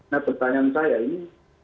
nah pertanyaan saya ini